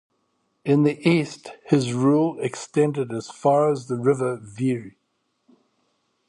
In the east his rule extended as far as the river Vire.